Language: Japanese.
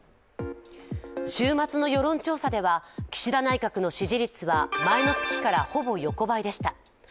週末の世論調査では岸田内閣の支持率は前の月からほぼ横ばいでした。